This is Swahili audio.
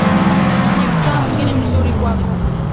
ni wasaa mwingine mzuri kwako